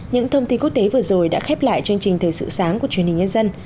những thông tin quốc tế vừa rồi đã khép lại chương trình thời sự sáng của truyền hình nhân dân